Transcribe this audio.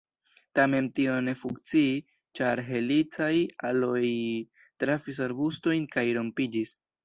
Tamen tio ne funkciis, ĉar helicaj aloj trafis arbustojn kaj rompiĝis.